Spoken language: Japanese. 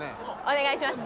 お願いします